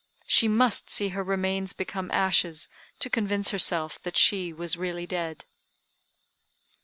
She must see her remains become ashes to convince herself that she was really dead.